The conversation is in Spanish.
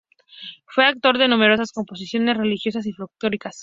Fue autor de numerosas composiciones religiosas y folclóricas.